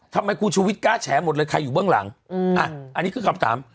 ทำไมกลูชูวิตกล้าแสวหมดเลยใครอยู่เบื้องหลังอันนี้คือคำตาม